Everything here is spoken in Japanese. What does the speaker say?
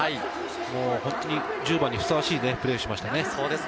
本当に、１０番にふさわしいプレーをしましたね。